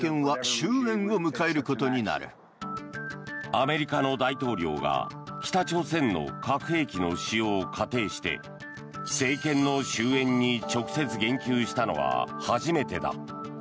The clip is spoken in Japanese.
アメリカの大統領が北朝鮮の核兵器の使用を仮定して政権の終焉に直接言及したのは初めてだ。